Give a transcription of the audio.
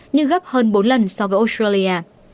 nhưng gấp hơn bốn lần so với australia